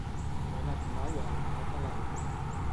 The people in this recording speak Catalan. No he anat mai a Albalat de la Ribera.